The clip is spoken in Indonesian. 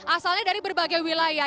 asalnya dari berbagai wilayah